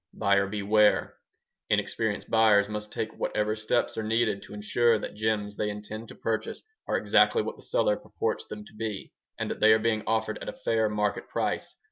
Buyer beware Inexperienced buyers must take whatever steps are needed to ensure that gems they intend to purchase are exactly what the seller purports them to be and that they are being offered at a fair market price.